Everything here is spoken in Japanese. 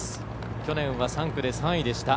去年は３区で３位でした。